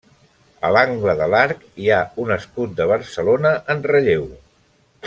A l'angle de l'arc hi ha un escut de Barcelona en relleu.